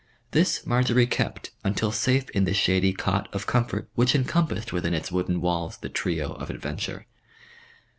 This Marjory kept, until safe in the shady cot of comfort which encompassed within its wooden walls the trio of adventure.